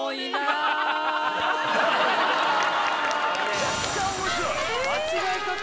めちゃくちゃ面白いえっ？